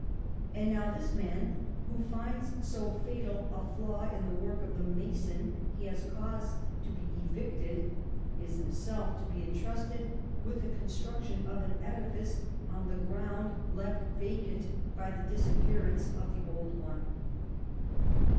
And now, this man, who finds so fatal a flaw in the work of the mason he has caused to be evicted, is himself to be entrusted with the construction of an edifice on the ground left vacant by the disappearance of the old one.